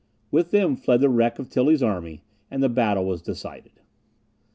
With them fled the wreck of Tilly's army, and the battle was decided.